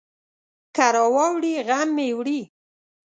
که راواړوي، غم مې وړي.